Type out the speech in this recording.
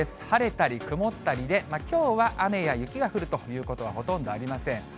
晴れたり曇ったりで、きょうは雨や雪が降るということはほとんどありません。